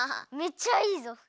めっちゃいいぞ。